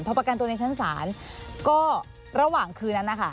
พอประกันตัวในชั้นศาลก็ระหว่างคืนนั้นนะคะ